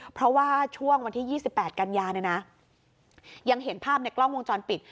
เพราะว่าช่วงวันที่๒๘กันยาเนี่ยนะยังเห็นภาพในกล้องวงจรปิด